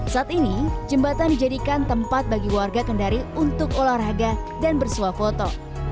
saat ini jembatan dijadikan tempat bagi warga kendari untuk olahraga dan bersuah foto